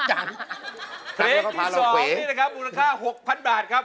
เพลงที่๒นี้นะครับมูลค่า๖๐๐๐บาทครับ